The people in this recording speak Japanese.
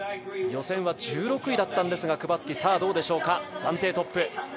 予選は１６位だったんですが、クバツキどうでしょうか、暫定トップ。